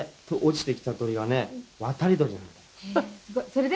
それで？」